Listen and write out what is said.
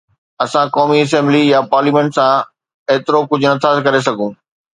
اسان قومي اسيمبلي يا پارليامينٽ سان ايترو ڪجهه نٿا ڪري سگهون